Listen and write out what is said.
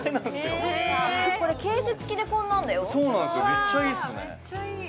めっちゃいいっすね